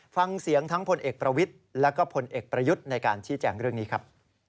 ฟังเสียงทั้งพลเอกประวิทย์แล้วก็ผลเอกประยุทธ์ในการชี้แจงเรื่องนี้ครับ